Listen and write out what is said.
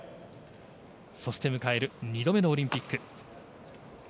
そして迎える２度目のオリンピック。